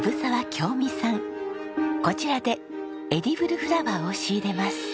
こちらでエディブルフラワーを仕入れます。